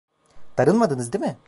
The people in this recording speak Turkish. Darılmadınız değil mi?